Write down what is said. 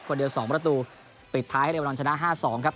เดียว๒ประตูปิดท้ายให้เรมนอนชนะ๕๒ครับ